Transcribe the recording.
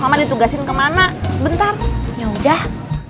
mama ditugasin kemana bentar ya udah